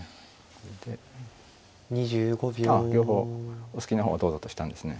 これであ両方お好きな方をどうぞとしたんですね。